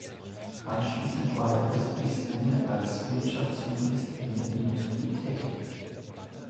Anschließend war er bis Kriegsende als Wirtschaftsjurist in der Industrie tätig.